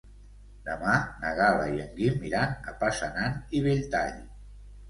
Demà na Gal·la i en Guim iran a Passanant i Belltall.